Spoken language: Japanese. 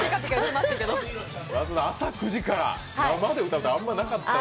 朝９時から生で歌うってあまりなかった。